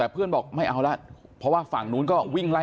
แต่เพื่อนบอกไม่เอาแล้วเพราะว่าฝั่งนู้นก็วิ่งไล่